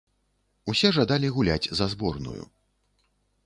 Усе жадалі гуляць за зборную.